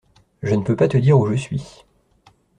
Je ne peux pas te dire où je suis.